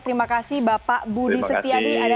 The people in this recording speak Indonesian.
terima kasih bapak budi setiadi